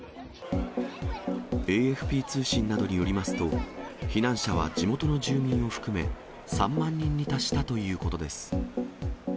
ＡＦＰ通信などによりますと、避難者は地元の住民を含め、３万人に達したということです。